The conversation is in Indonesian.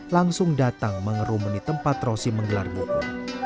langsung datang mengerumuni tempat rosi menggelar buku